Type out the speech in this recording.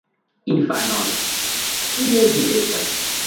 Infanoj... kie vi estas?